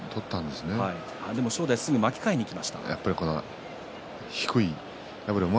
すぐ巻き替えにいきました。